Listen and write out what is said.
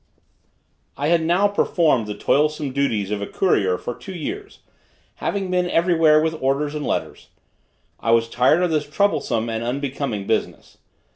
I had now performed the toilsome duties of a courier for two years, having been every where with orders and letters. I was tired of this troublesome and unbecoming business.